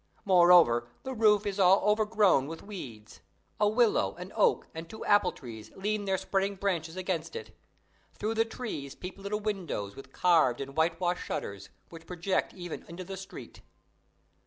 Moreover, the roof is all overgrown with weeds: a willow, an oak, and two apple trees lean their spreading branches against it. Through the trees peep little windows with carved and white washed shutters, which project even into the street.